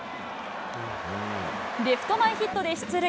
レフト前ヒットで出塁。